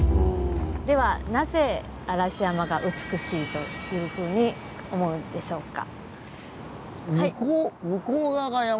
ではなぜ嵐山が美しいというふうに思うんでしょうか？